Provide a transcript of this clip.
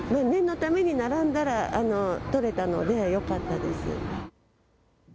念のために並んだら取れたのでよかったです。